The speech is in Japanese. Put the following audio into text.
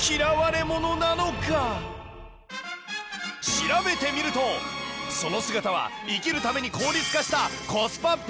調べてみるとその姿は生きるために効率化した